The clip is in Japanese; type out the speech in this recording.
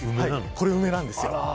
これ、梅なんです。